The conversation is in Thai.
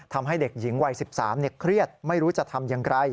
ทำให้เด็กหญิงวัย๑๓เครียดไม่รู้จะทำอย่างไร